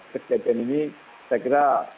kekejian ini saya kira